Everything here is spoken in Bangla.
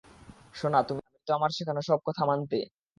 সোনা, তুমি তো আমার শেখানো সব কথা মানতে?